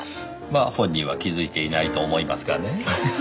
まあ本人は気づいていないと思いますがね。